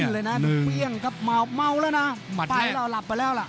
แค่จะนิ่งเลยนะมัวแล้วนะ